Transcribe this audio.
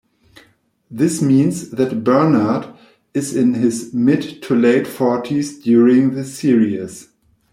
This means that Bernard is in his mid- to late-forties during the series.